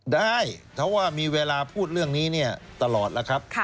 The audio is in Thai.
ได้เพราะว่ามีเวลาพูดเรื่องนี้ตลอดแล้วครับ